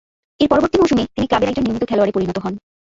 এর পরবর্তী মৌসুমে, তিনি ক্লাবের একজন নিয়মিত খেলোয়াড়ে পরিণত হন।